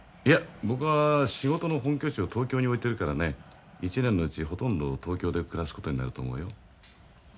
いや僕は仕事の本拠地を東京に置いてるからね一年のうちほとんどを東京で暮らすことになると思うよ。